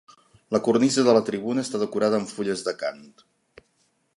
La cornisa de la tribuna està decorada amb fulles d'acant.